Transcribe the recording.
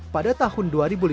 pada tahun dua ribu lima belas